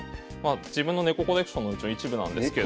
自分のネココレクションのうちの一部なんですけど。